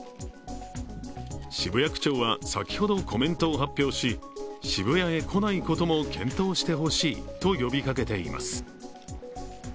渋谷区長は、先ほどコメントを発表し渋谷へ来ないことも検討してほしいと呼びかけています。